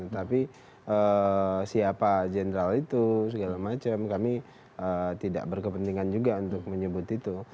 tapi siapa jenderal itu segala macam kami tidak berkepentingan juga untuk menyebut itu